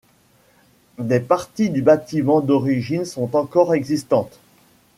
Des parties du bâtiment d'origine sont encore existantes.